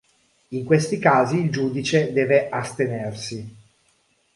In questi casi il giudice deve astenersi.